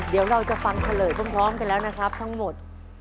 เดี๋ยวเราจะฟังเฉลยพร้อมกันแล้วนะครับทั้งหมด